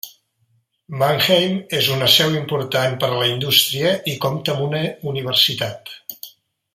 Mannheim és una seu important per a la indústria i compta amb una universitat.